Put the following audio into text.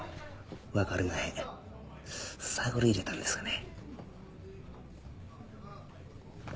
分かりまへん探り入れたんですがね。